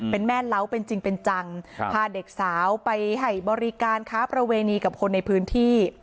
เป็นแม่เล้าเป็นจริงเป็นจังพาเด็กสาวไปให้บริการค้าประเวณีกับคนในพื้นที่